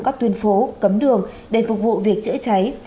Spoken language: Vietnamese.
các tuyên phố cấm đường để phục vụ việc chữa cháy